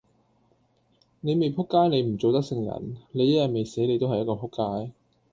你未仆街你唔做得聖人，你一日未死你都係一個仆街。